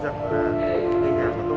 rằng là bệnh án của tôi